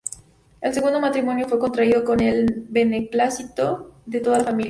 El segundo matrimonio fue contraído con el beneplácito de toda la familia.